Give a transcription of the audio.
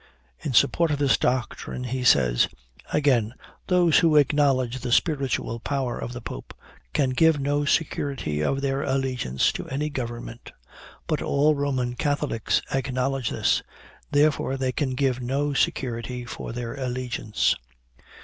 In support of this doctrine, he says "Again, those who acknowledge the spiritual power of the Pope, can give no security of their allegiance to any government; but all Roman Catholics acknowledge this: therefore they can give no security for their allegiance."